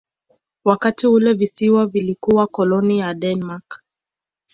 Wakati ule visiwa vilikuwa koloni ya Denmark.